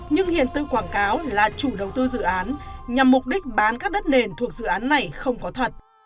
nhưng hiện tự quảng cáo là chủ đầu tư dự án nhằm mục đích bán các đất nền thuộc dự án này không có thật